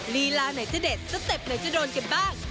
ลีลาไหนจะเด็ดสเต็ปไหนจะโดนกันบ้าง